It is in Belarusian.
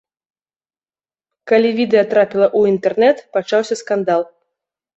Калі відэа трапіла ў інтэрнэт, пачаўся скандал.